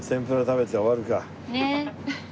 ねえ。